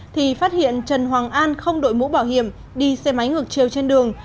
thì phát hiện trần hoàng an không đội mũ bảo hiểm đi xe máy ngược chiều trên đường